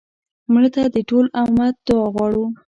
مړه ته د ټول امت دعا غواړو